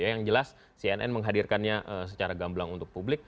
yang jelas cnn menghadirkannya secara gamblang untuk publik